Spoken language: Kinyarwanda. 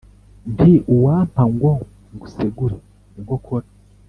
nti uwampa ngo ngusegure inkokora